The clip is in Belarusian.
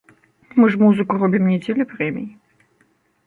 Мы ж музыку робім не дзеля прэмій.